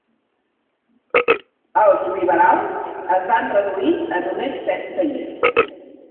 Els liberals es van reduir a només set seients.